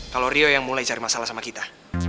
kalau rio yang mulai cari masalah sama kita